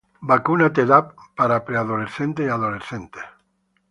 Vacuna Tdap para preadolescentes y adolescentes